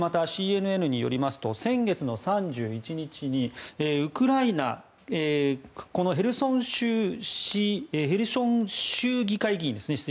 また、ＣＮＮによりますと先月の３１日にウクライナヘルソン州議会議員ですね。